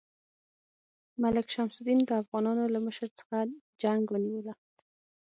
ملک شمس الدین د افغانانو له مشر څخه جنګ ونیوله.